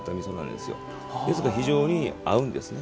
ですから非常に合うんですね。